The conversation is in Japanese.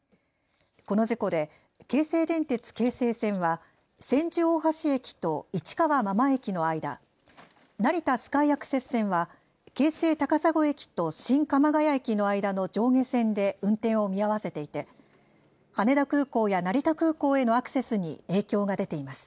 この事故で京成電鉄京成線は千住大橋と市川真間駅の間成田スカイアクセス線は京成高砂駅と新鎌ヶ谷駅の間の上下線で運転を見合わせていて羽田空港や成田空港へのアクセスに影響が出ています。